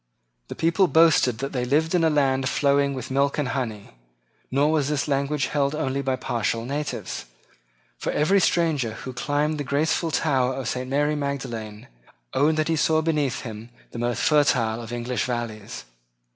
The people boasted that they lived in a land flowing with milk and honey. Nor was this language held only by partial natives; for every stranger who climbed the graceful tower of St. Mary Magdalene owned that he saw beneath him the most fertile of English valleys.